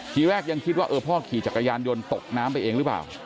ทีแรกยังคิดว่าเออพ่อขี่จักรยานยนต์ตกน้ำไปเองหรือเปล่า